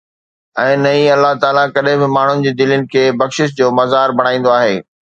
۽ نه ئي الله تعاليٰ ڪڏهن به ماڻهن جي دلين کي بخشش جو مزار بڻائيندو آهي.